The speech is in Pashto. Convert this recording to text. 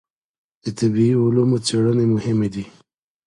د طبعي علومو څېړنې مهمې دي.